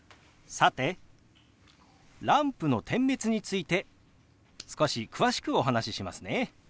さてランプの点滅について少し詳しくお話ししますね。